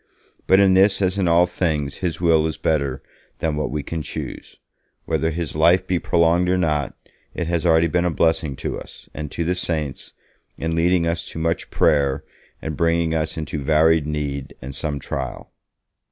But in this as in all things His will is better than what we can choose. Whether his life be prolonged or not, it has already been a blessing to us, and to the saints, in leading us to much prayer, and bringing us into varied need and some trial.'